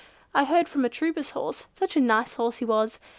I heard from a Trooper's horse—(such a nice horse he was!)